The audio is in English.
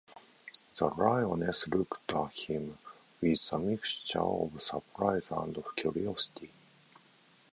The lioness looked at him with a mixture of surprise and curiosity.